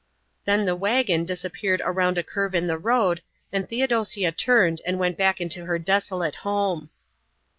Then the wagon disappeared around a curve in the road, and Theodosia turned and went back into her desolate home.